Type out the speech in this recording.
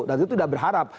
dan itu sudah berharap